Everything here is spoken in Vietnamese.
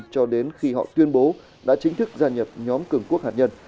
cho đến khi họ tuyên bố đã chính thức gia nhập nhóm cường quốc hạt nhân